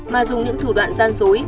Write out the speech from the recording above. mà dùng những thủ đoạn gian dối